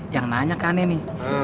yang nanya ke aneh nih